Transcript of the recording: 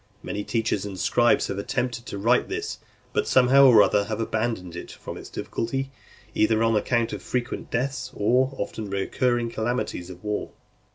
Many teachers and scribes have attempted to write this, but somehow or other have abandoned it from its difficulty, either on account of frequent deaths, or the often recurring calamities of war.